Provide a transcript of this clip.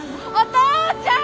父ちゃん！